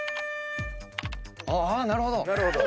あなるほど！